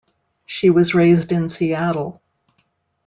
She was raised in Seattle.